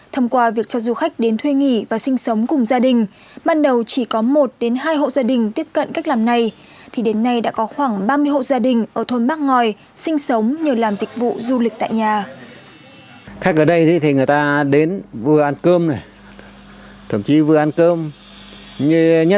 thông qua việc cho du khách đến thuê nghỉ và sinh sống cùng gia đình ban đầu chỉ có một đến hai hộ gia đình tiếp cận cách làm này thì đến nay đã có khoảng ba mươi hộ gia đình ở thôn bác ngòi sinh sống nhờ làm dịch vụ du lịch tại nhà